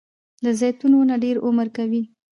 د زیتون ونه ډیر عمر کوي